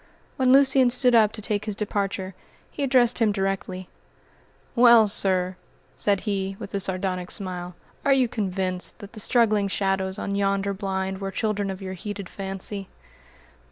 When Lucian stood up to take his departure, he addressed him directly: "Well, sir," said he, with a sardonic smile, "are you convinced that the struggling shadows on yonder blind were children of your heated fancy?"